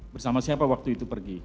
bersama siapa waktu itu pergi